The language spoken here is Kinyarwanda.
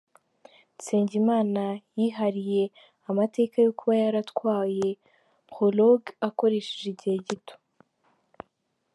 Nsengimana yihariye amateka yo kuba yaratwaye Prologue akoresheje igihe gito.